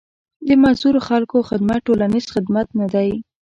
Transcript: د معذورو خلکو خدمت ټولنيز خدمت نه دی.